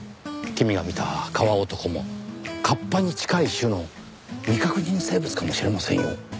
君が見た川男も河童に近い種の未確認生物かもしれませんよ。